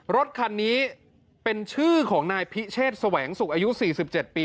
รถคันนี้เป็นชื่อของนายพิเชษแสวงสุขอายุ๔๗ปี